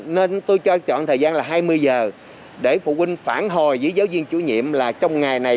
nên tôi cho chọn thời gian là hai mươi giờ để phụ huynh phản hồi với giáo viên chủ nhiệm là trong ngày này